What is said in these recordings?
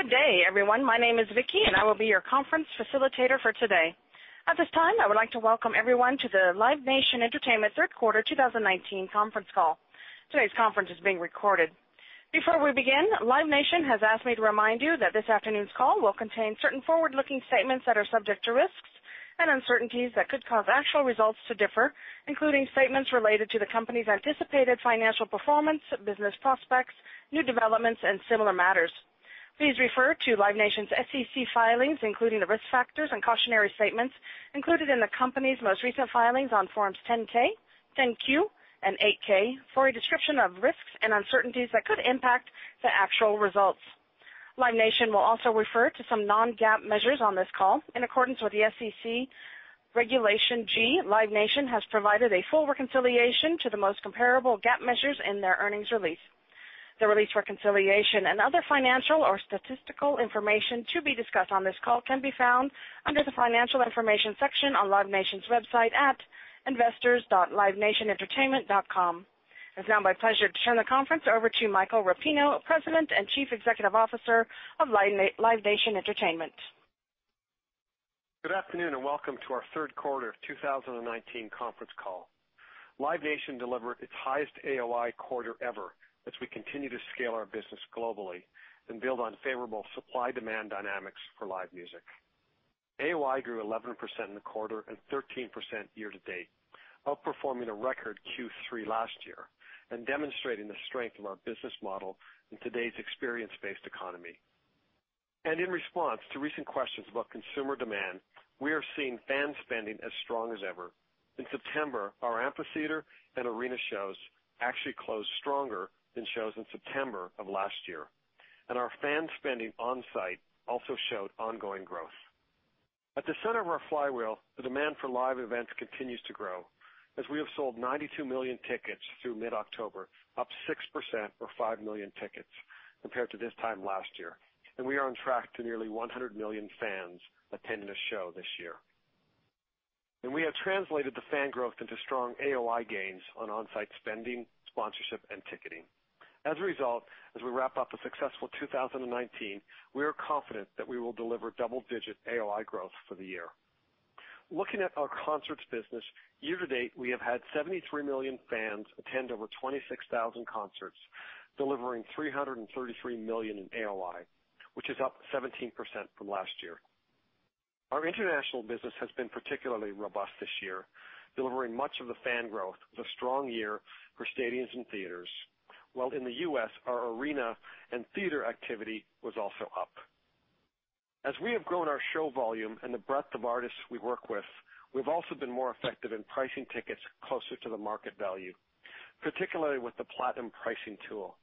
Good day, everyone. My name is Vicky, and I will be your conference facilitator for today. At this time, I would like to welcome everyone to the Live Nation Entertainment third quarter 2019 conference call. Today's conference is being recorded. Before we begin, Live Nation has asked me to remind you that this afternoon's call will contain certain forward-looking statements that are subject to risks and uncertainties that could cause actual results to differ, including statements related to the company's anticipated financial performance, business prospects, new developments, and similar matters. Please refer to Live Nation's SEC filings, including the risk factors and cautionary statements included in the company's most recent filings on Forms 10-K, 10-Q, and 8-K for a description of risks and uncertainties that could impact the actual results. Live Nation will also refer to some non-GAAP measures on this call. In accordance with the SEC Regulation G, Live Nation has provided a full reconciliation to the most comparable GAAP measures in their earnings release. The release reconciliation and other financial or statistical information to be discussed on this call can be found under the Financial Information section on Live Nation's website at investors.livenationentertainment.com. It's now my pleasure to turn the conference over to Michael Rapino, President and Chief Executive Officer of Live Nation Entertainment. Good afternoon and welcome to our third quarter of 2019 conference call. Live Nation delivered its highest AOI quarter ever as we continue to scale our business globally and build on favorable supply-demand dynamics for live music. AOI grew 11% in the quarter and 13% year to date, outperforming a record Q3 last year and demonstrating the strength of our business model in today's experience-based economy. In response to recent questions about consumer demand, we are seeing fan spending as strong as ever. In September, our amphitheater and arena shows actually closed stronger than shows in September of last year. Our fan spending on-site also showed ongoing growth. At the center of our flywheel, the demand for live events continues to grow as we have sold 92 million tickets through mid-October, up 6% or 5 million tickets compared to this time last year. We are on track to nearly 100 million fans attending a show this year. We have translated the fan growth into strong AOI gains on on-site spending, sponsorship, and ticketing. As a result, as we wrap up a successful 2019, we are confident that we will deliver double-digit AOI growth for the year. Looking at our concerts business, year to date, we have had 73 million fans attend over 26,000 concerts, delivering $333 million in AOI, which is up 17% from last year. Our international business has been particularly robust this year, delivering much of the fan growth with a strong year for stadiums and theaters. While in the U.S., our arena and theater activity was also up. As we have grown our show volume and the breadth of artists we work with, we've also been more effective in pricing tickets closer to the market value, particularly with the Platinum pricing tool.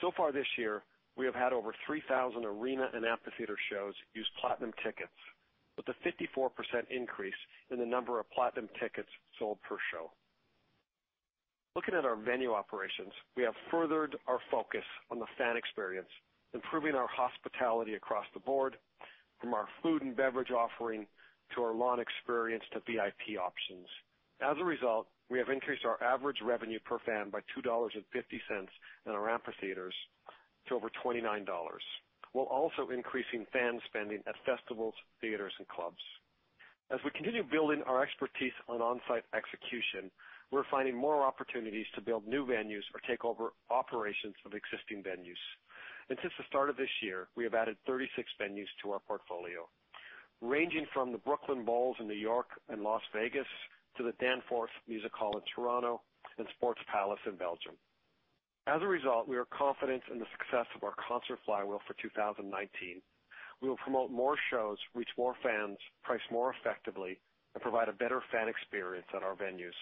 So far this year, we have had over 3,000 arena and amphitheater shows use Platinum tickets, with a 54% increase in the number of Platinum tickets sold per show. Looking at our venue operations, we have furthered our focus on the fan experience, improving our hospitality across the board, from our food and beverage offering to our lawn experience to VIP options. As a result, we have increased our average revenue per fan by $2.50 in our amphitheaters to over $29, while also increasing fan spending at festivals, theaters, and clubs. As we continue building our expertise on on-site execution, we're finding more opportunities to build new venues or take over operations of existing venues. Since the start of this year, we have added 36 venues to our portfolio, ranging from the Brooklyn Bowls in New York and Las Vegas to the Danforth Music Hall in Toronto and Sportpaleis in Belgium. As a result, we are confident in the success of our concert flywheel for 2019. We will promote more shows, reach more fans, price more effectively, and provide a better fan experience at our venues,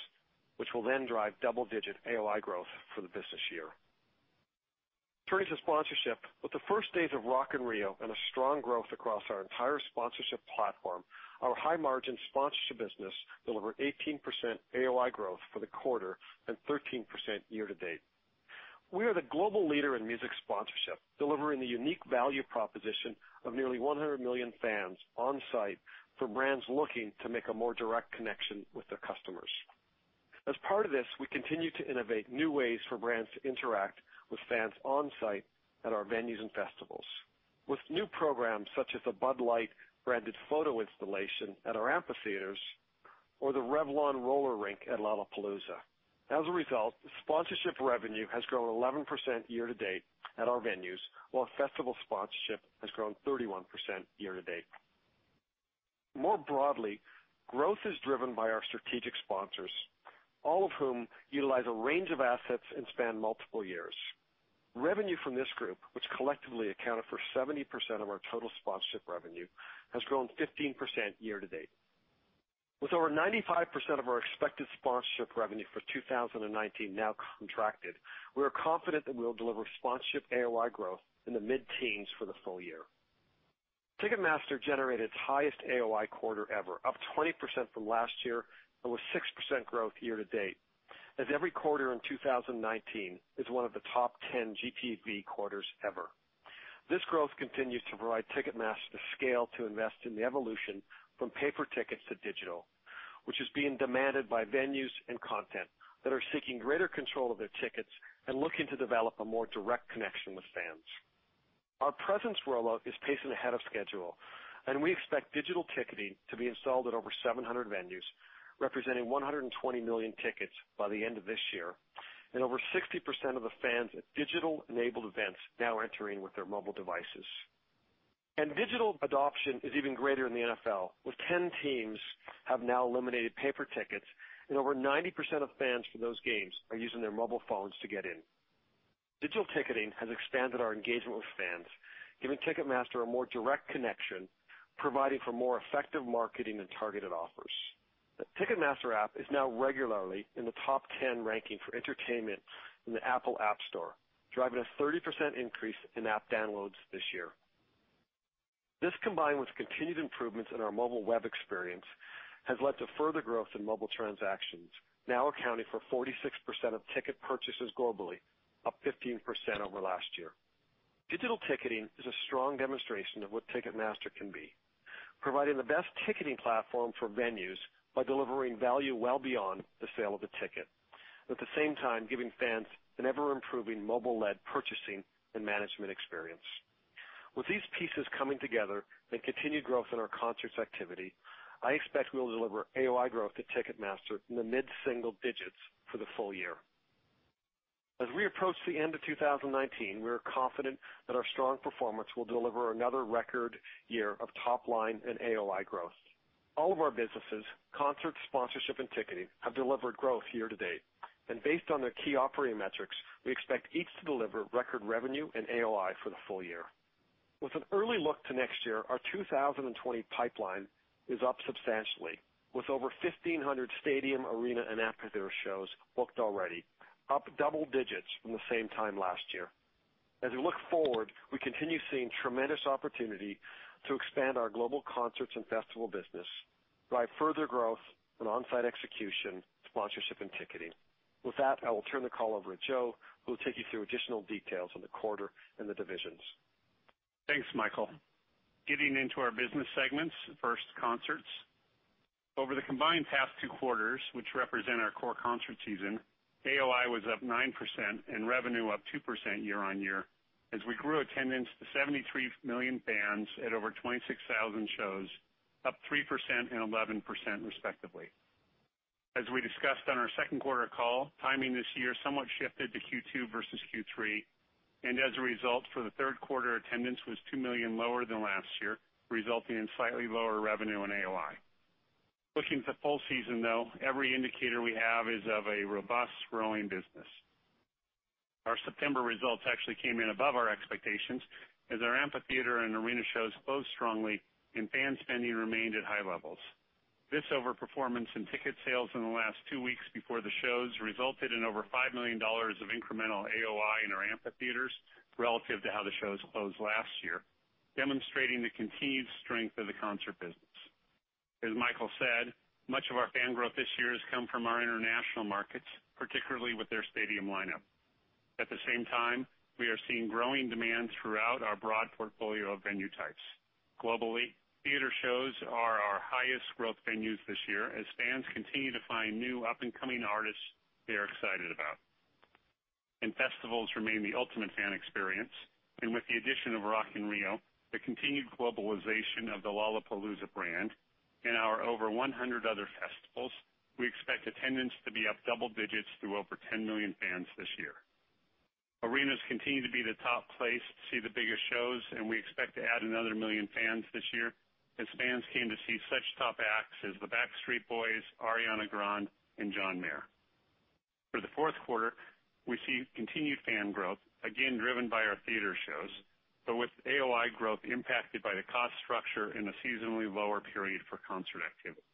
which will then drive double-digit AOI growth for the business year. Turning to sponsorship, with the first days of Rock in Rio and a strong growth across our entire sponsorship platform, our high-margin sponsorship business delivered 18% AOI growth for the quarter and 13% year to date. We are the global leader in music sponsorship, delivering the unique value proposition of nearly 100 million fans on-site for brands looking to make a more direct connection with their customers. As part of this, we continue to innovate new ways for brands to interact with fans on-site at our venues and festivals. With new programs such as the Bud Light branded photo installation at our amphitheaters or the Revlon roller rink at Lollapalooza. As a result, sponsorship revenue has grown 11% year to date at our venues, while festival sponsorship has grown 31% year to date. More broadly, growth is driven by our strategic sponsors, all of whom utilize a range of assets and span multiple years. Revenue from this group, which collectively accounted for 70% of our total sponsorship revenue, has grown 15% year to date. With over 95% of our expected sponsorship revenue for 2019 now contracted, we are confident that we'll deliver sponsorship AOI growth in the mid-teens for the full year. Ticketmaster generated its highest AOI quarter ever, up 20% from last year and with 6% growth year to date, as every quarter in 2019 is one of the top 10 GTV quarters ever. This growth continues to provide Ticketmaster scale to invest in the evolution from paper tickets to digital, which is being demanded by venues and content that are seeking greater control of their tickets and looking to develop a more direct connection with fans. Our Presence rollout is pacing ahead of schedule, and we expect digital ticketing to be installed at over 700 venues, representing 120 million tickets by the end of this year, and over 60% of the fans at digital-enabled events now entering with their mobile devices. Digital adoption is even greater in the NFL, with 10 teams have now eliminated paper tickets, and over 90% of fans for those games are using their mobile phones to get in. Digital ticketing has expanded our engagement with fans, giving Ticketmaster a more direct connection, providing for more effective marketing and targeted offers. The Ticketmaster app is now regularly in the top 10 ranking for entertainment in the Apple App Store, driving a 30% increase in app downloads this year. This, combined with continued improvements in our mobile web experience, has led to further growth in mobile transactions, now accounting for 46% of ticket purchases globally, up 15% over last year. Digital ticketing is a strong demonstration of what Ticketmaster can be, providing the best ticketing platform for venues by delivering value well beyond the sale of a ticket. At the same time, giving fans an ever-improving mobile-led purchasing and management experience. With these pieces coming together and continued growth in our Concerts activity, I expect we will deliver AOI growth to Ticketmaster in the mid-single digits for the full year. As we approach the end of 2019, we are confident that our strong performance will deliver another record year of top-line and AOI growth. All of our businesses, Concerts, Sponsorship, and Ticketing, have delivered growth year-to-date. Based on their key operating metrics, we expect each to deliver record revenue and AOI for the full year. With an early look to next year, our 2020 pipeline is up substantially, with over 1,500 stadium, arena, and amphitheater shows booked already, up double digits from the same time last year. As we look forward, we continue seeing tremendous opportunity to expand our global concerts and festival business, drive further growth and on-site execution, sponsorship, and ticketing. With that, I will turn the call over to Joe, who will take you through additional details on the quarter and the divisions. Thanks, Michael. Getting into our business segments. First, Concerts. Over the combined past two quarters, which represent our core concert season, AOI was up 9% and revenue up 2% year-on-year as we grew attendance to 73 million fans at over 26,000 shows, up 3% and 11% respectively. As we discussed on our second quarter call, timing this year somewhat shifted to Q2 versus Q3, and as a result, for the third quarter, attendance was 2 million lower than last year, resulting in slightly lower revenue and AOI. Looking to full season, though, every indicator we have is of a robust growing business. Our September results actually came in above our expectations as our amphitheater and arena shows closed strongly and fan spending remained at high levels. This overperformance in ticket sales in the last two weeks before the shows resulted in over $5 million of incremental AOI in our amphitheaters relative to how the shows closed last year, demonstrating the continued strength of the Concerts business. As Michael said, much of our fan growth this year has come from our international markets, particularly with their stadium lineup. At the same time, we are seeing growing demand throughout our broad portfolio of venue types. Globally, theater shows are our highest growth venues this year as fans continue to find new up-and-coming artists they are excited about. Festivals remain the ultimate fan experience. With the addition of Rock in Rio, the continued globalization of the Lollapalooza brand, and our over 100 other festivals, we expect attendance to be up double digits through over 10 million fans this year. Arenas continue to be the top place to see the biggest shows, and we expect to add another million fans this year as fans came to see such top acts as the Backstreet Boys, Ariana Grande, and John Mayer. For the fourth quarter, we see continued fan growth, again, driven by our theater shows, but with AOI growth impacted by the cost structure in a seasonally lower period for concert activity.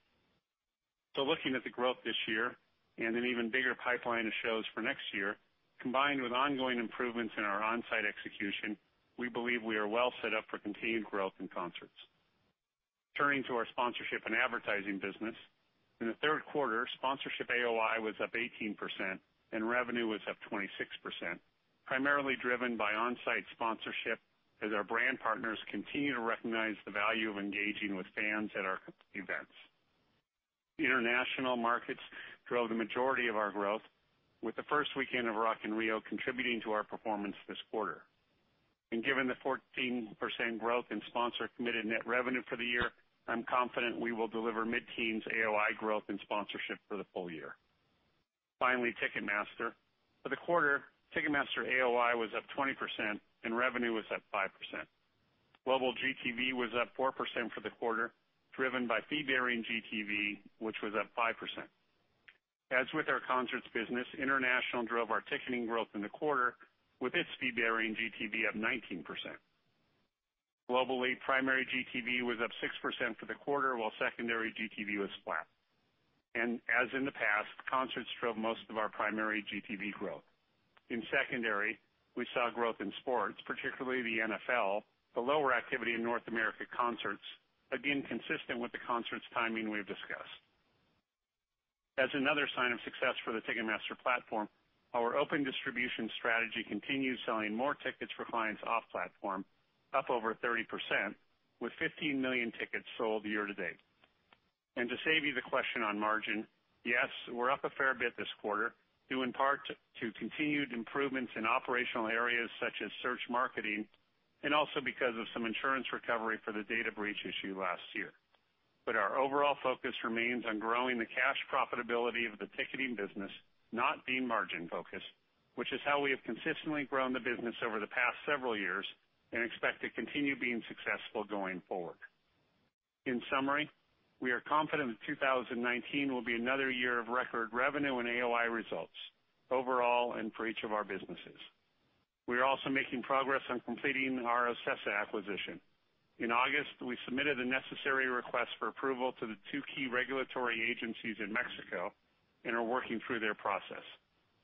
Looking at the growth this year and an even bigger pipeline of shows for next year, combined with ongoing improvements in our on-site execution, we believe we are well set up for continued growth in concerts. Turning to our Sponsorship and Advertising business, in the third quarter, Sponsorship AOI was up 18% and revenue was up 26%, primarily driven by on-site sponsorship as our brand partners continue to recognize the value of engaging with fans at our events. International markets drove the majority of our growth, with the first weekend of Rock in Rio contributing to our performance this quarter. Given the 14% growth in sponsor-committed net revenue for the year, I'm confident we will deliver mid-teens AOI growth in Sponsorship for the full year. Finally, Ticketmaster. For the quarter, Ticketmaster AOI was up 20% and revenue was up 5%. Global GTV was up 4% for the quarter, driven by fee-bearing GTV, which was up 5%. As with our Concerts business, International drove our ticketing growth in the quarter, with its fee-bearing GTV up 19%. Globally, primary GTV was up 6% for the quarter, while secondary GTV was flat. As in the past, Concerts drove most of our primary GTV growth. In Secondary, we saw growth in sports, particularly the NFL, but lower activity in North America concerts, again, consistent with the concerts timing we've discussed. As another sign of success for the Ticketmaster platform, our open distribution strategy continues selling more tickets for clients off-platform, up over 30%, with 15 million tickets sold year-to-date. To save you the question on margin, yes, we're up a fair bit this quarter, due in part to continued improvements in operational areas such as search marketing, and also because of some insurance recovery for the data breach issue last year. Our overall focus remains on growing the cash profitability of the ticketing business, not being margin-focused, which is how we have consistently grown the business over the past several years and expect to continue being successful going forward. In summary, we are confident that 2019 will be another year of record revenue and AOI results overall and for each of our businesses. We are also making progress on completing our Ocesa acquisition. In August, we submitted the necessary request for approval to the two key regulatory agencies in Mexico and are working through their process.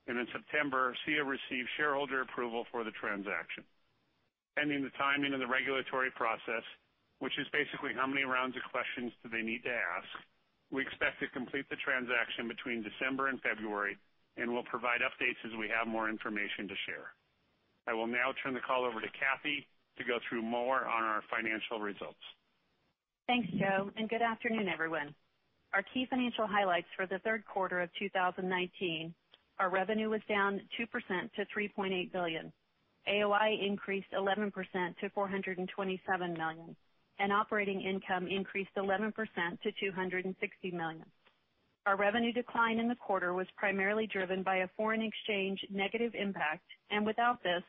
In September, CIE received shareholder approval for the transaction. Pending the timing of the regulatory process, which is basically how many rounds of questions do they need to ask, we expect to complete the transaction between December and February, and we'll provide updates as we have more information to share. I will now turn the call over to Kathy to go through more on our financial results. Thanks, Joe, and good afternoon, everyone. Our key financial highlights for the third quarter of 2019 are revenue was down 2% to $3.8 billion. AOI increased 11% to $427 million, and operating income increased 11% to $260 million. Our revenue decline in the quarter was primarily driven by a foreign exchange negative impact, and without this,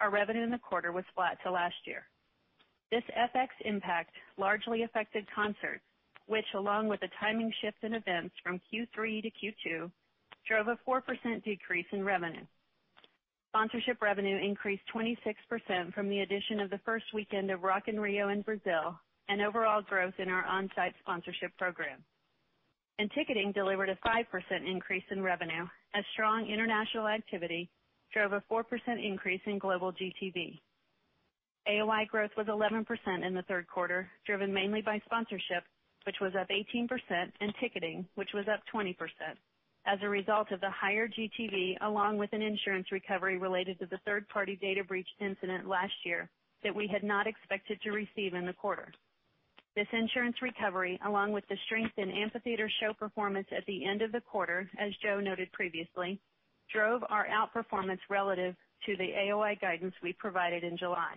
our revenue in the quarter was flat to last year. This FX impact largely affected Concert, which along with the timing shift in events from Q3 to Q2, drove a 4% decrease in revenue. Sponsorship revenue increased 26% from the addition of the first weekend of Rock in Rio in Brazil and overall growth in our on-site sponsorship program. Ticketing delivered a 5% increase in revenue as strong international activity drove a 4% increase in global GTV. AOI growth was 11% in the third quarter, driven mainly by Sponsorship, which was up 18%, and Ticketing, which was up 20%, as a result of the higher GTV, along with an insurance recovery related to the third-party data breach incident last year that we had not expected to receive in the quarter. This insurance recovery, along with the strength in amphitheater show performance at the end of the quarter, as Joe noted previously, drove our outperformance relative to the AOI guidance we provided in July.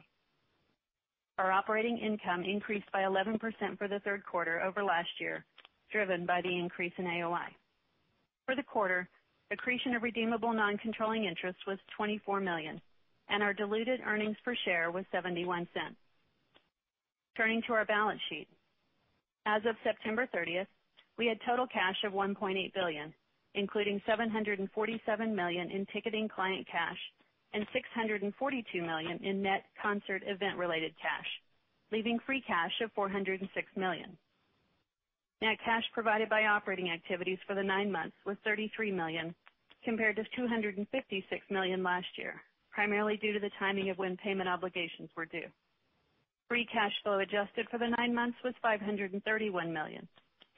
Our operating income increased by 11% for the third quarter over last year, driven by the increase in AOI. For the quarter, accretion of redeemable non-controlling interest was $24 million, and our diluted earnings per share was $0.71. Turning to our balance sheet. As of September 30th, we had total cash of $1.8 billion, including $747 million in Ticketing client cash and $642 million in net Concert event-related cash, leaving free cash of $406 million. Net cash provided by operating activities for the nine months was $33 million, compared to $256 million last year, primarily due to the timing of when payment obligations were due. Free cash flow adjusted for the nine months was $531 million,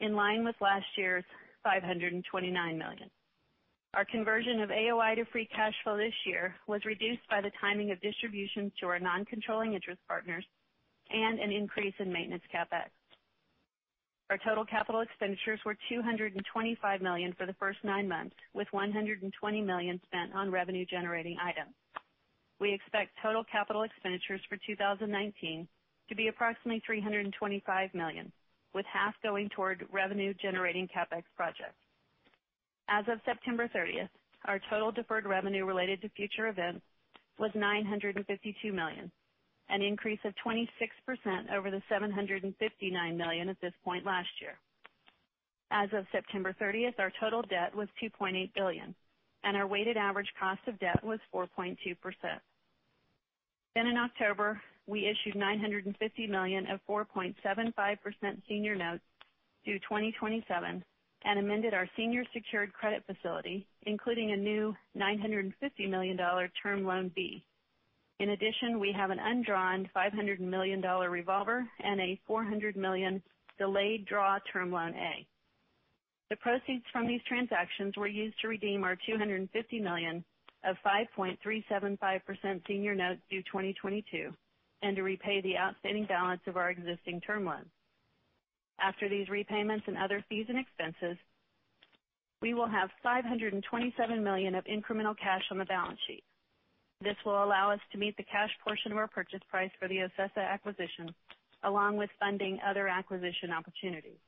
in line with last year's $529 million. Our conversion of AOI to free cash flow this year was reduced by the timing of distributions to our non-controlling interest partners and an increase in maintenance CapEx. Our total capital expenditures were $225 million for the first nine months, with $120 million spent on revenue-generating items. We expect total capital expenditures for 2019 to be approximately $325 million, with half going toward revenue-generating CapEx projects. As of September 30th, our total deferred revenue related to future events was $952 million, an increase of 26% over the $759 million at this point last year. In October, we issued $950 million of 4.75% senior notes due 2027 and amended our senior secured credit facility, including a new $950 million Term Loan B. In addition, we have an undrawn $500 million revolver and a $400 million delayed draw Term Loan A. The proceeds from these transactions were used to redeem our $250 million of 5.375% senior notes due 2022 and to repay the outstanding balance of our existing term loans. After these repayments and other fees and expenses, we will have $527 million of incremental cash on the balance sheet. This will allow us to meet the cash portion of our purchase price for the Ocesa acquisition, along with funding other acquisition opportunities.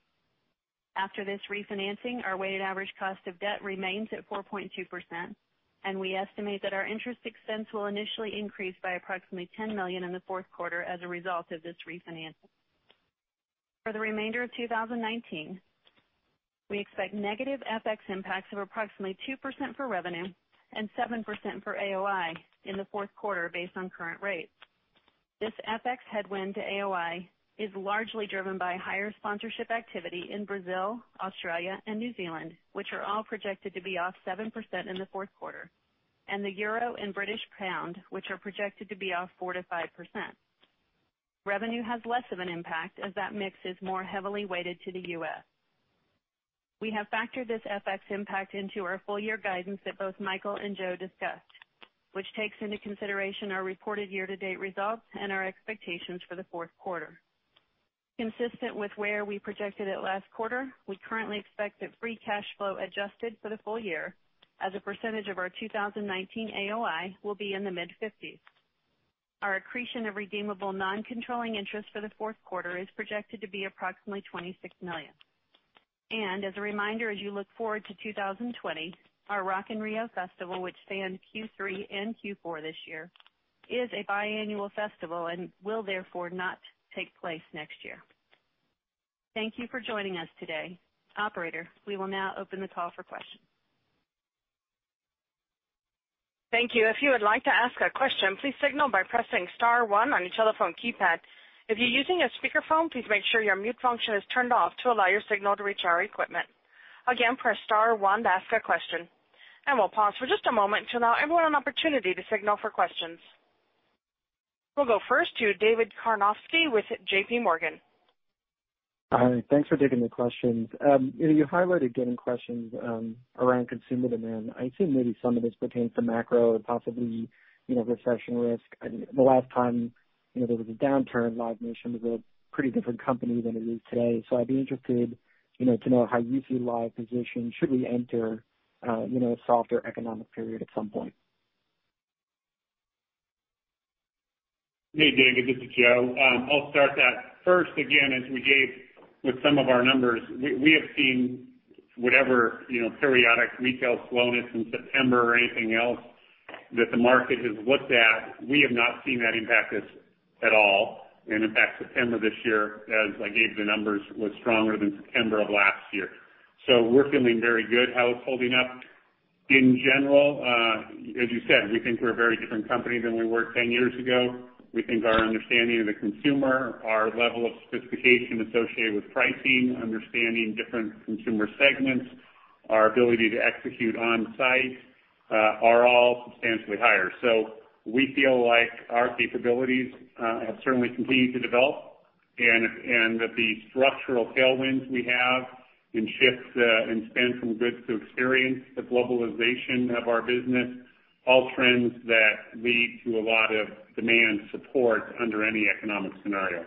After this refinancing, our weighted average cost of debt remains at 4.2%, and we estimate that our interest expense will initially increase by approximately $10 million in the fourth quarter as a result of this refinancing. For the remainder of 2019, we expect negative FX impacts of approximately 2% for revenue and 7% for AOI in the fourth quarter based on current rates. This FX headwind to AOI is largely driven by higher sponsorship activity in Brazil, Australia, and New Zealand, which are all projected to be off 7% in the fourth quarter, and the euro and British pound, which are projected to be off 4%-5%. Revenue has less of an impact as that mix is more heavily weighted to the U.S. We have factored this FX impact into our full year guidance that both Michael and Joe discussed, which takes into consideration our reported year-to-date results and our expectations for the fourth quarter. Consistent with where we projected it last quarter, we currently expect that free cash flow adjusted for the full year as a percentage of our 2019 AOI will be in the mid-50s. Our accretion of redeemable non-controlling interest for the fourth quarter is projected to be approximately $26 million. As a reminder, as you look forward to 2020, our Rock in Rio festival, which spanned Q3 and Q4 this year, is a biannual festival and will therefore not take place next year. Thank you for joining us today. Operator, we will now open the call for questions. Thank you. If you would like to ask a question, please signal by pressing star one on your telephone keypad. If you're using a speakerphone, please make sure your mute function is turned off to allow your signal to reach our equipment. Again, press star one to ask a question, we'll pause for just a moment to allow everyone an opportunity to signal for questions. We'll go first to David Karnovsky with JPMorgan. Hi. Thanks for taking the questions. You highlighted getting questions around consumer demand. I assume maybe some of this pertains to macro and possibly recession risk. The last time there was a downturn, Live Nation was a pretty different company than it is today. I'd be interested to know how you see Live positioned should we enter a softer economic period at some point. Hey, David, this is Joe. I'll start that. Again, as we gave with some of our numbers, we have seen whatever periodic retail slowness in September or anything else that the market has looked at, we have not seen that impact us at all. In fact, September this year, as I gave the numbers, was stronger than September of last year. We're feeling very good how it's holding up in general. As you said, we think we're a very different company than we were 10 years ago. We think our understanding of the consumer, our level of sophistication associated with pricing, understanding different consumer segments, our ability to execute on site, are all substantially higher. We feel like our capabilities have certainly continued to develop and that the structural tailwinds we have in shifts in spend from goods to experience, the globalization of our business, all trends that lead to a lot of demand support under any economic scenario.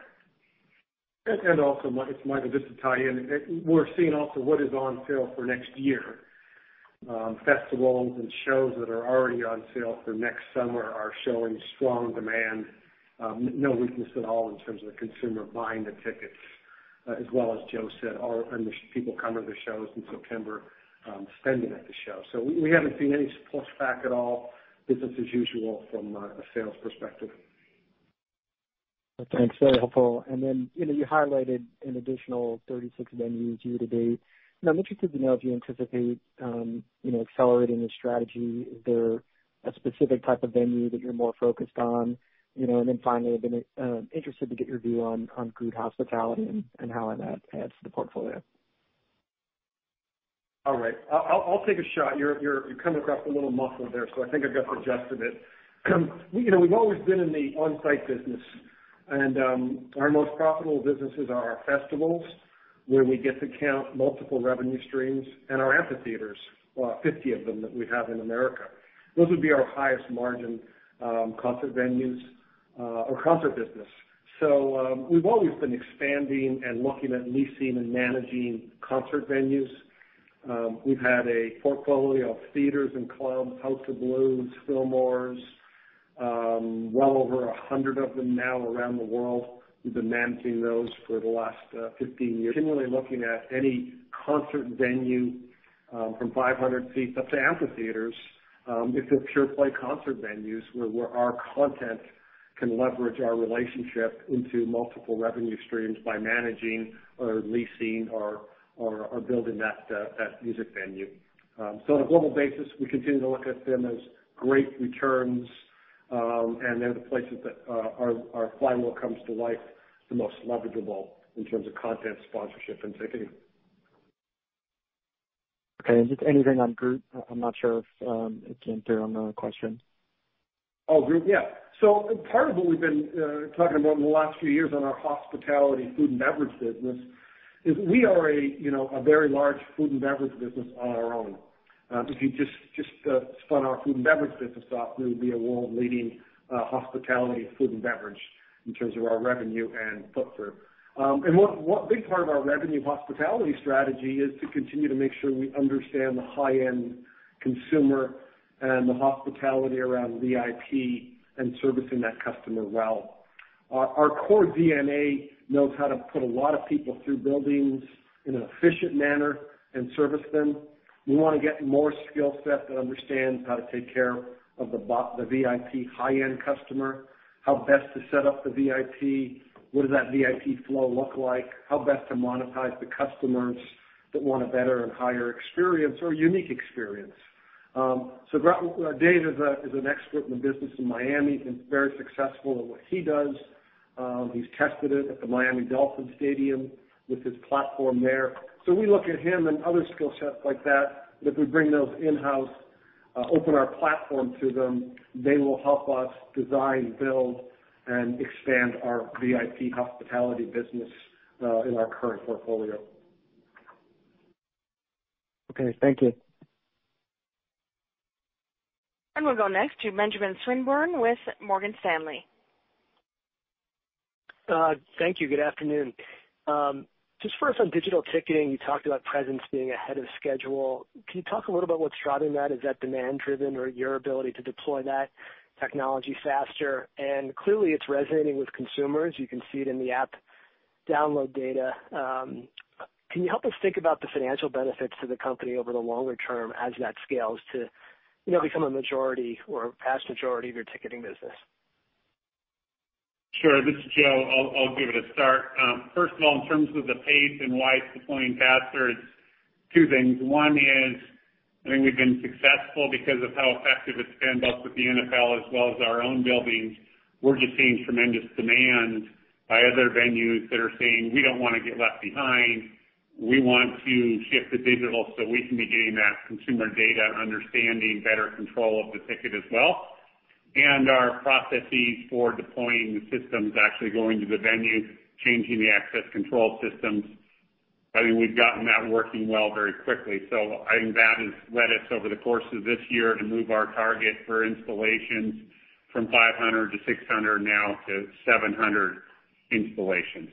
Also, it's Michael, just to tie in. We're seeing also what is on sale for next year. Festivals and shows that are already on sale for next summer are showing strong demand. No weakness at all in terms of the consumer buying the tickets, as well as Joe said, and the people coming to shows in September spending at the show. We haven't seen any pushback at all. Business as usual from a sales perspective. Okay. It's very helpful. You highlighted an additional 36 venues year to date. I'm interested to know if you anticipate accelerating the strategy. Is there a specific type of venue that you're more focused on? Finally, I'd be interested to get your view on Groot Hospitality and how that adds to the portfolio. All right. I'll take a shot. You're coming across a little muffled there, so I think I got the gist of it. We've always been in the on-site business, and our most profitable businesses are our festivals, where we get to count multiple revenue streams, and our amphitheaters, 50 of them that we have in America. Those would be our highest margin concert venues or concert business. We've always been expanding and looking at leasing and managing concert venues. We've had a portfolio of theaters and clubs, House of Blues, Fillmores, well over 100 of them now around the world. We've been managing those for the last 15 years. Continually looking at any concert venue from 500 seats up to amphitheaters. If they're pure play concert venues where our content can leverage our relationship into multiple revenue streams by managing or leasing or building that music venue. On a global basis, we continue to look at them as great returns, and they're the places that our flywheel comes to life the most leverageable in terms of content, sponsorship, and ticketing. Okay. Just anything on Groot? I'm not sure if it came through on the question. Oh, Groot. Yeah. Part of what we've been talking about in the last few years on our hospitality food and beverage business is we are a very large food and beverage business on our own. If you just spun our food and beverage business off, we would be a world-leading hospitality food and beverage in terms of our revenue and footprint. One big part of our revenue hospitality strategy is to continue to make sure we understand the high-end consumer and the hospitality around VIP and servicing that customer well. Our core DNA knows how to put a lot of people through buildings in an efficient manner and service them. We want to get more skill sets that understand how to take care of the VIP high-end customer, how best to set up the VIP, what does that VIP flow look like, how best to monetize the customers that want a better and higher experience or a unique experience. Dave is an expert in the business in Miami. He's been very successful at what he does. He's tested it at the Miami Dolphins stadium with his platform there. We look at him and other skill sets like that we bring those in-house. Open our platform to them. They will help us design, build, and expand our VIP hospitality business in our current portfolio. Okay, thank you. We'll go next to Benjamin Swinburne with Morgan Stanley. Thank you. Good afternoon. Just first on digital ticketing, you talked about Presence being ahead of schedule. Can you talk a little about what's driving that? Is that demand driven or your ability to deploy that technology faster? Clearly it's resonating with consumers. You can see it in the app download data. Can you help us think about the financial benefits to the company over the longer term as that scales to become a majority or past majority of your ticketing business? Sure. This is Joe. I'll give it a start. First of all, in terms of the pace and why it's deploying faster, it's two things. One is, I think we've been successful because of how effective it's been both with the NFL as well as our own buildings. We're just seeing tremendous demand by other venues that are saying, "We don't want to get left behind. We want to shift to digital so we can be getting that consumer data, understanding better control of the ticket as well." Our processes for deploying the systems, actually going to the venue, changing the access control systems. I think we've gotten that working well very quickly. I think that has led us over the course of this year to move our target for installations from 500 to 600 now to 700 installations.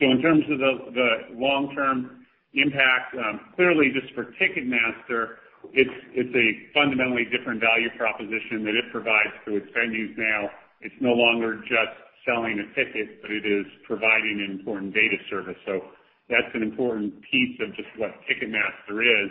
In terms of the long-term impact, clearly just for Ticketmaster, it's a fundamentally different value proposition that it provides to its venues now. It's no longer just selling a ticket, but it is providing an important data service. That's an important piece of just what Ticketmaster is.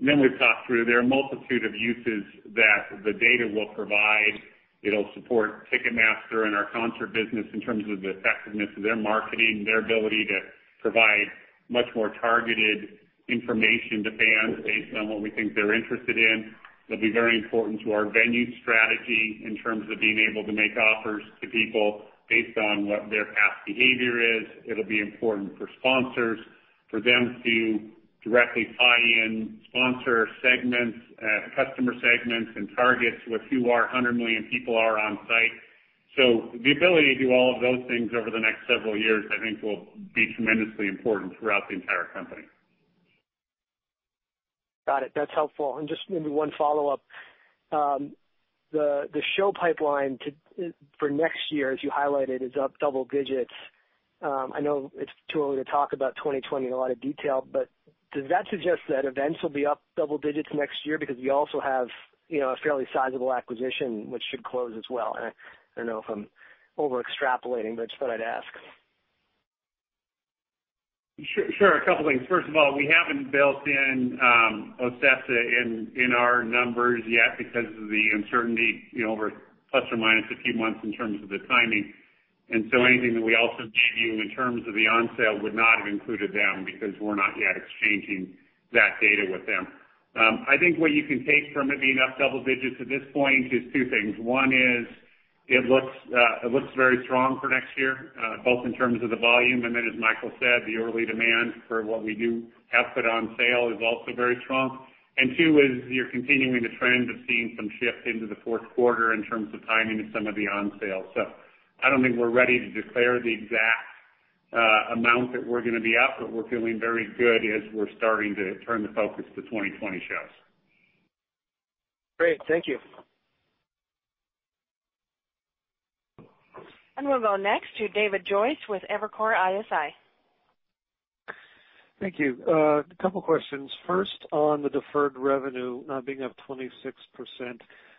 We've talked through, there are a multitude of uses that the data will provide. It'll support Ticketmaster and our concert business in terms of the effectiveness of their marketing, their ability to provide much more targeted information to fans based on what we think they're interested in. It'll be very important to our venue strategy in terms of being able to make offers to people based on what their past behavior is. It'll be important for sponsors, for them to directly tie in sponsor segments, customer segments, and targets with who our 100 million people are on site. The ability to do all of those things over the next several years, I think, will be tremendously important throughout the entire company. Got it. That's helpful. Just maybe one follow-up. The show pipeline for next year, as you highlighted, is up double digits. I know it's too early to talk about 2020 in a lot of detail, but does that suggest that events will be up double digits next year? You also have a fairly sizable acquisition, which should close as well. I don't know if I'm over-extrapolating, but just thought I'd ask. Sure. A couple things. First of all, we haven't built in Ocesa in our numbers yet because of the uncertainty over ± a few months in terms of the timing. Anything that we also gave you in terms of the on sale would not have included them, because we're not yet exchanging that data with them. I think what you can take from it being up double digits at this point is two things. One is, it looks very strong for next year, both in terms of the volume and then, as Michael said, the early demand for what we do have put on sale is also very strong. Two is, you're continuing the trend of seeing some shift into the fourth quarter in terms of timing of some of the on sales. I don't think we're ready to declare the exact amount that we're going to be up, but we're feeling very good as we're starting to turn the focus to 2020 shows. Great. Thank you. We'll go next to David Joyce with Evercore ISI. Thank you. A couple questions. First, on the deferred revenue now being up 26%,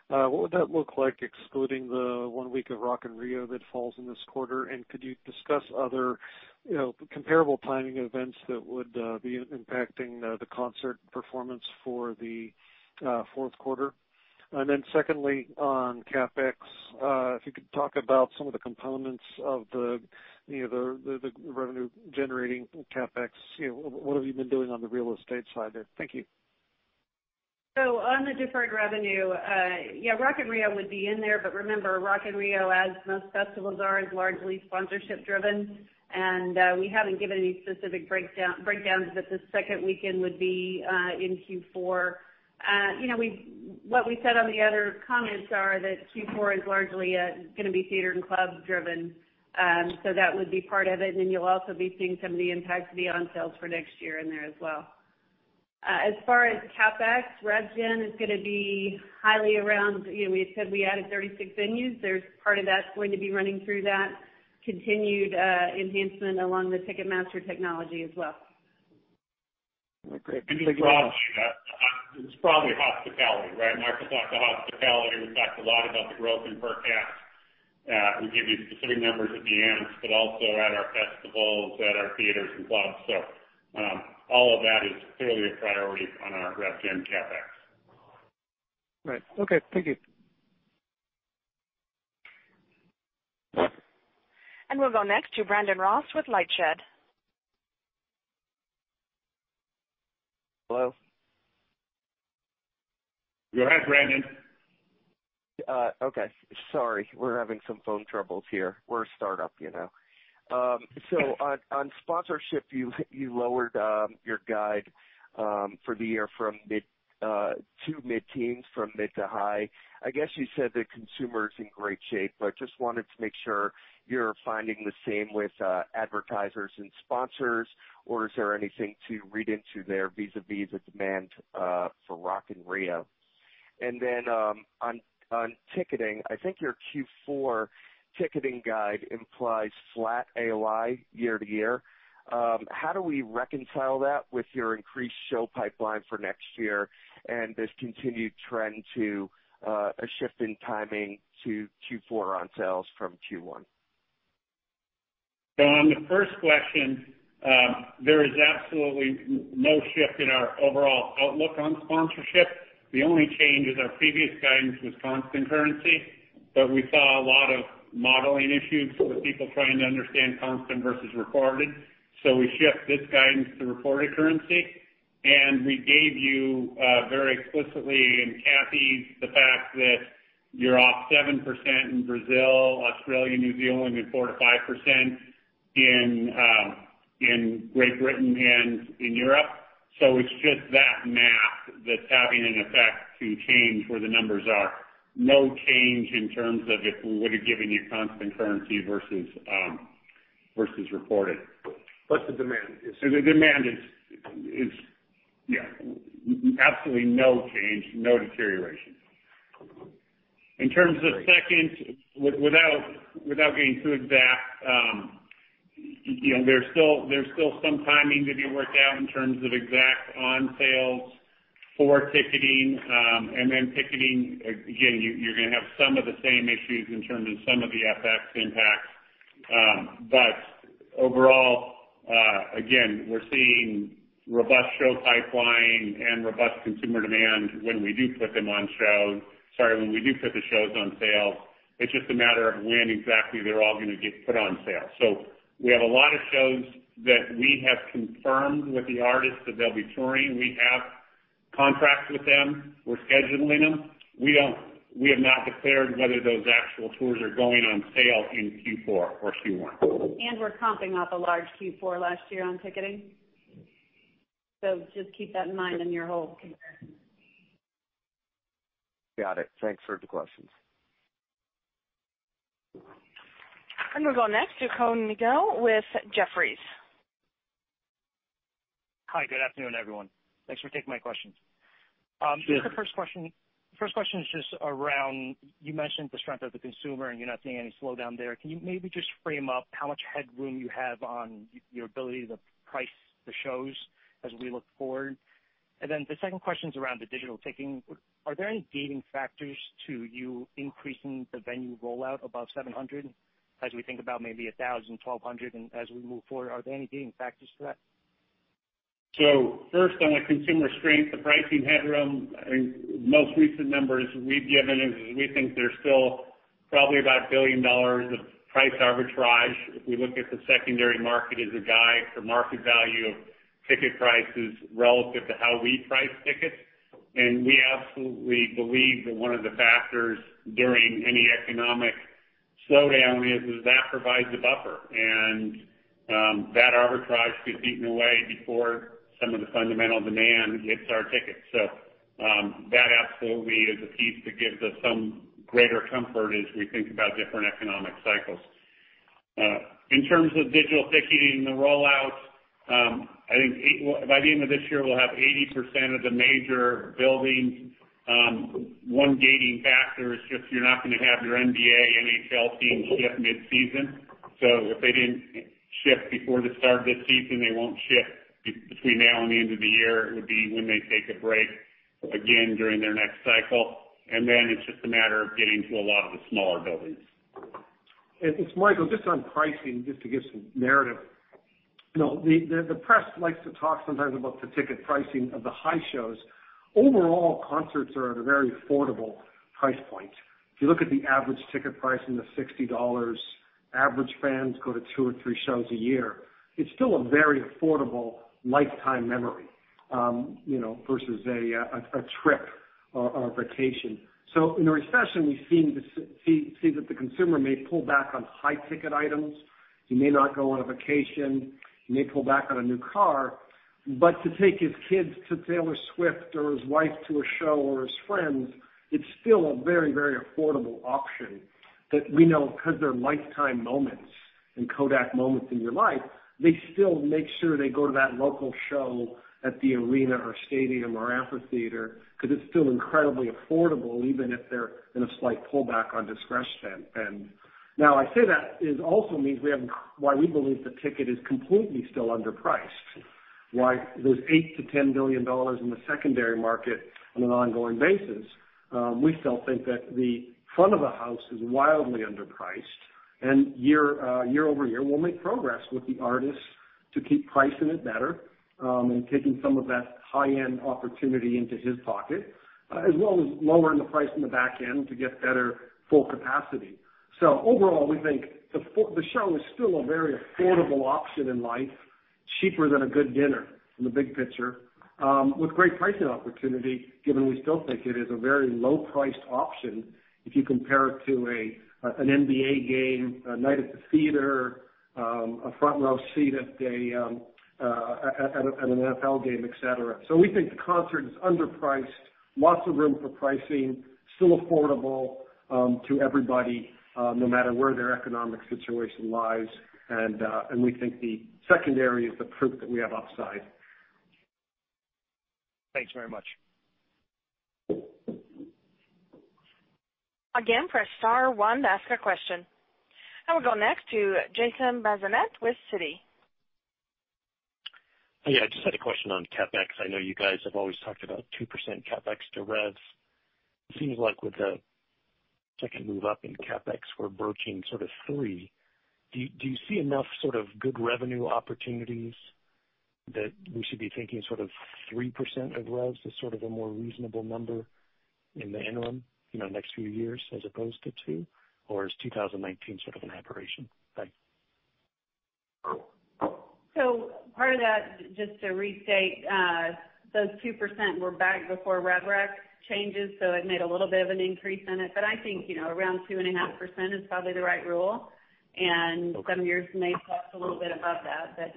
what would that look like excluding the one week of Rock in Rio that falls in this quarter? Could you discuss other comparable timing events that would be impacting the concert performance for the fourth quarter? Secondly, on CapEx, if you could talk about some of the components of the revenue-generating CapEx. What have you been doing on the real estate side there? Thank you. On the deferred revenue, yeah, Rock in Rio would be in there. Remember, Rock in Rio, as most festivals are, is largely sponsorship driven, and we haven't given any specific breakdowns that the second weekend would be in Q4. What we said on the other comments are that Q4 is largely going to be theater and club driven. That would be part of it. Then you'll also be seeing some of the impacts of the on sales for next year in there as well. Far as CapEx, rev gen is going to be highly around, we said we added 36 venues. There's part of that's going to be running through that continued enhancement along the Ticketmaster technology as well. Great. Thank you. It's probably hospitality, right? Michael talked to hospitality. We talked a lot about the growth in per caps. We give you specific numbers at the end, but also at our festivals, at our theaters and clubs. All of that is clearly a priority on our rev gen CapEx. Right. Okay, thank you. We'll go next to Brandon Ross with LightShed. Hello? Go ahead, Brandon Okay. Sorry, we're having some phone troubles here. We're a startup. On sponsorship, you lowered your guide for the year to mid-teens from mid to high. I guess you said the consumer is in great shape, but just wanted to make sure you're finding the same with advertisers and sponsors. Is there anything to read into there vis-a-vis the demand for Rock in Rio? On ticketing, I think your Q4 ticketing guide implies flat AOI year to year. How do we reconcile that with your increased show pipeline for next year and this continued trend to a shift in timing to Q4 on sales from Q1? On the first question, there is absolutely no shift in our overall outlook on sponsorship. The only change is our previous guidance was constant currency, but we saw a lot of modeling issues with people trying to understand constant versus reported. We shift this guidance to reported currency, and we gave you very explicitly in Kathy, the fact that you're off 7% in Brazil, Australia, New Zealand, and 4% to 5% in Great Britain and in Europe. It's just that math that's having an effect to change where the numbers are. No change in terms of if we would have given you constant currency versus reported. The demand is. The demand is absolutely no change, no deterioration. In terms of second, without getting too exact, there's still some timing to be worked out in terms of exact on sales for ticketing. Ticketing, again, you're going to have some of the same issues in terms of some of the FX impacts. Overall, again, we're seeing robust show pipeline and robust consumer demand when we do put the shows on sale. It's just a matter of when exactly they're all going to get put on sale. We have a lot of shows that we have confirmed with the artists that they'll be touring. We have contracts with them. We're scheduling them. We have not declared whether those actual tours are going on sale in Q4 or Q1. We're comping up a large Q4 last year on ticketing. Just keep that in mind in your whole comparison. Got it. Thanks for the questions. I'm going to go next to Conor Miguel with Jefferies. Hi, good afternoon, everyone. Thanks for taking my questions. Sure. The first question is just around, you mentioned the strength of the consumer and you're not seeing any slowdown there. Can you maybe just frame up how much headroom you have on your ability to price the shows as we look forward? The second question is around the digital ticketing. Are there any gating factors to you increasing the venue rollout above 700 as we think about maybe 1,000, 1,200 and as we move forward? Are there any gating factors to that? First, on the consumer strength, the pricing headroom, most recent numbers we've given is we think there's still probably about $1 billion of price arbitrage if we look at the secondary market as a guide for market value of ticket prices relative to how we price tickets. We absolutely believe that one of the factors during any economic slowdown is that provides a buffer, and that arbitrage gets eaten away before some of the fundamental demand hits our tickets. That absolutely is a piece that gives us some greater comfort as we think about different economic cycles. In terms of digital ticketing, the rollout, I think by the end of this year, we'll have 80% of the major buildings. One gating factor is just you're not going to have your NBA, NHL teams shift mid-season. If they didn't shift before the start of this season, they won't shift between now and the end of the year. It would be when they take a break again during their next cycle. Then it's just a matter of getting to a lot of the smaller buildings. It's Michael. Just on pricing, just to give some narrative. The press likes to talk sometimes about the ticket pricing of the high shows. Overall, concerts are at a very affordable price point. If you look at the average ticket price in the $60, average fans go to two or three shows a year. It's still a very affordable lifetime memory versus a trip or a vacation. In a recession, we see that the consumer may pull back on high ticket items. He may not go on a vacation. He may pull back on a new car, but to take his kids to Taylor Swift or his wife to a show or his friends, it's still a very affordable option that we know because they're lifetime moments and Kodak moments in your life, they still make sure they go to that local show at the arena or stadium or amphitheater because it's still incredibly affordable, even if they're in a slight pullback on discretion spend. Now, I say that, it also means why we believe the ticket is completely still underpriced. Why there's $8 billion-$10 billion in the secondary market on an ongoing basis. We still think that the front of the house is wildly underpriced and year-over-year, we'll make progress with the artists to keep pricing it better, and taking some of that high-end opportunity into his pocket, as well as lowering the price on the back end to get better full capacity. Overall, we think the show is still a very affordable option in life. Cheaper than a good dinner in the big picture, with great pricing opportunity, given we still think it is a very low-priced option if you compare it to an NBA game, a night at the theater, a front row seat at an NFL game, et cetera. We think the concert is underpriced, lots of room for pricing, still affordable to everybody, no matter where their economic situation lies. We think the secondary is the proof that we have upside. Thanks very much. Again, press star one to ask a question. I will go next to Jason Bazinet with Citi. Yeah. Just had a question on CapEx. I know you guys have always talked about 2% CapEx to revs. It seems like with the second move up in CapEx, we're verging sort of 3. Do you see enough sort of good revenue opportunities that we should be thinking sort of 3% of revs as sort of a more reasonable number in the interim, next few years as opposed to 2? Or is 2019 sort of an aberration? Thanks. Part of that, just to restate, those 2% were back before rev rec changes, so it made a little bit of an increase in it. I think, around 2.5% is probably the right rule, and some years may cross a little bit above that.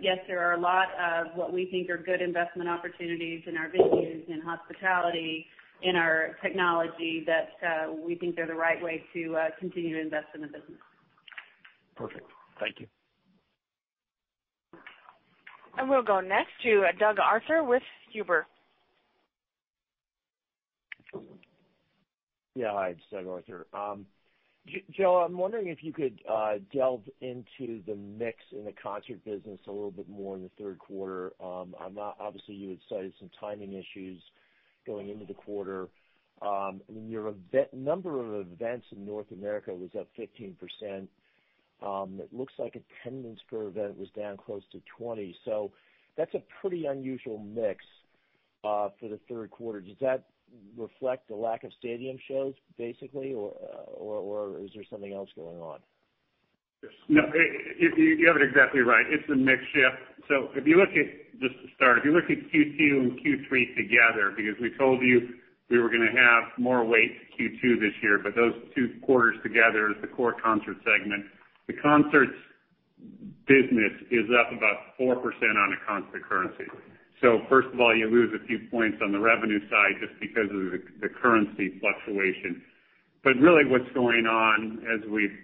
Yes, there are a lot of what we think are good investment opportunities in our venues, in hospitality, in our technology, that we think they're the right way to continue to invest in the business. Perfect. Thank you. We'll go next to Doug Arthur with Huber. Yeah. Hi, it's Doug Arthur. Joe, I'm wondering if you could delve into the mix in the concert business a little bit more in the third quarter. Obviously, you had cited some timing issues going into the quarter. Your number of events in North America was up 15%. It looks like attendance per event was down close to 20. That's a pretty unusual mix, for the third quarter. Does that reflect a lack of stadium shows basically, or is there something else going on? No, you have it exactly right. It's a mix shift. If you look at, just to start, if you look at Q2 and Q3 together, because we told you we were going to have more weight to Q2 this year, those two quarters together is the core concert segment. The concerts business is up about 4% on a constant currency. First of all, you lose a few points on the revenue side just because of the currency fluctuation. Really what's going on, as we've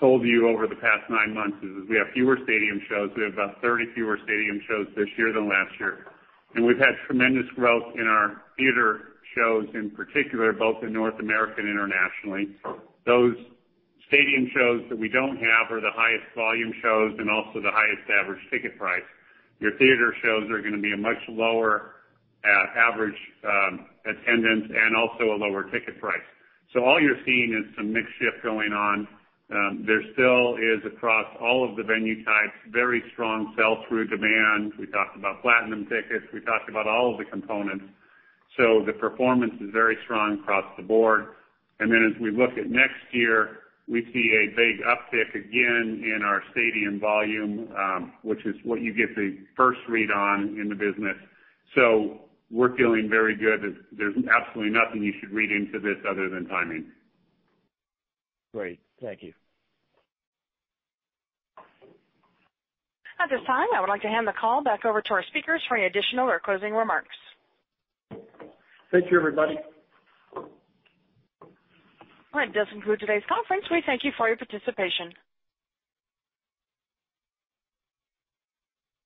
told you over the past nine months, is we have fewer stadium shows. We have about 30 fewer stadium shows this year than last year. We've had tremendous growth in our theater shows, in particular, both in North America and internationally. Those stadium shows that we don't have are the highest volume shows and also the highest average ticket price. Your theater shows are going to be a much lower average attendance and also a lower ticket price. All you're seeing is some mix shift going on. There still is, across all of the venue types, very strong sell-through demand. We talked about Platinum tickets. We talked about all of the components. The performance is very strong across the board. As we look at next year, we see a big uptick again in our stadium volume, which is what you get the first read on in the business. We're feeling very good. There's absolutely nothing you should read into this other than timing. Great. Thank you. At this time, I would like to hand the call back over to our speakers for any additional or closing remarks. Thank you, everybody. Well, that does conclude today's conference. We thank you for your participation.